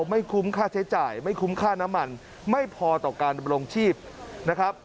ไม่คุ้มค่าใช้จ่ายไม่คุ้มค่าน้ำมันไม่พอต่อการดำรงชีพนะครับ